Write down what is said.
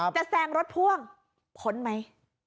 จะแซงรถพ่วงพ้นมั้ย